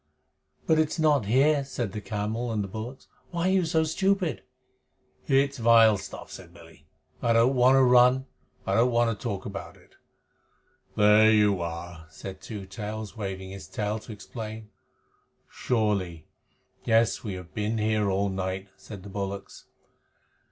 "But it is not here," said the camel and the bullocks. "Why are you so stupid?" "It's vile stuff," said Billy. "I don't want to run, but I don't want to talk about it." "There you are!" said Two Tails, waving his tail to explain. "Surely. Yes, we have been here all night," said the bullocks.